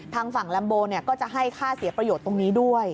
ทางฝั่งลัมโบก็จะให้ค่าเสียประโยชน์ตรงนี้ด้วย